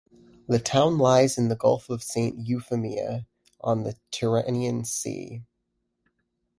The town lies in the Gulf of Saint Eufemia, on the Tyrrhenian Sea.